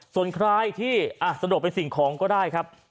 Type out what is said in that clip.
ส่วนคล้ายที่สะดวกเป็นสิ่งของก็ได้